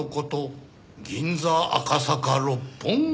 銀座赤坂六本木。